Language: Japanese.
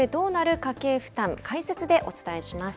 家計負担、解説でお伝えします。